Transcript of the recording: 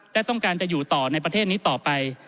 และต้องการจะอยู่ต่อในประเทศนี้ต่อไป